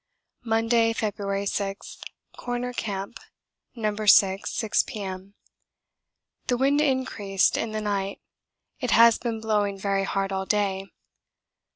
Monday, February 6. Corner Camp, No. 6. 6 P.M. The wind increased in the night. It has been blowing very hard all day.